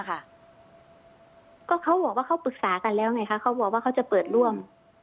ก็เขาบอกว่าเขาปรึกษากันแล้วไงคะเขาบอกว่าเขาจะเปิดร่วม